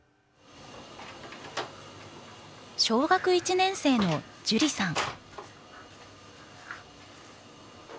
小学１年生の樹里さん。